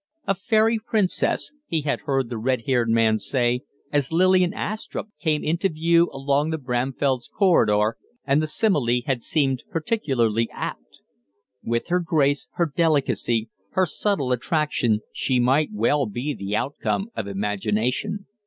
"A fairy princess!" he had heard the red haired man say as Lillian Astrupp came into view along the Bramfells' corridor, and the simile had seemed particularly apt. With her grace, her delicacy, her subtle attraction, she might well be the outcome of imagination.